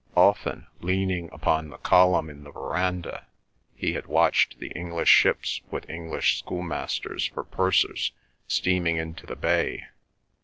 Often, leaning upon the column in the verandah, he had watched the English ships with English schoolmasters for pursers steaming into the bay.